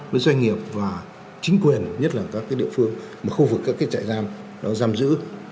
doanh nghiệp và chính quyền nhất là các địa phương khu vực các chạy giam giam giữ